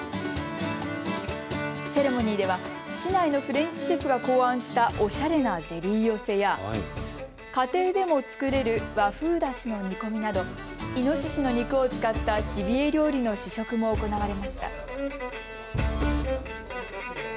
セレモニーでは市内のフレンチシェフが考案したおしゃれなゼリー寄せや家庭でも作れる和風だしの煮込みなどイノシシの肉を使ったジビエ料理の試食も行われました。